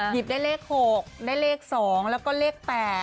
หยิบได้เลข๖ได้เลข๒แล้วก็เลข๘